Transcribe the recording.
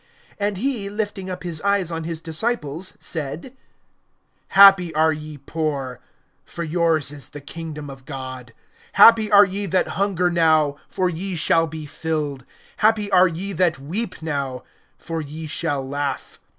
(20)And he, lifting up his eyes on his disciples, said: Happy are ye poor; for yours is the kingdom of God. (21)Happy are ye that hunger now; for ye shall be filled. Happy are ye that weep now; for ye shall laugh.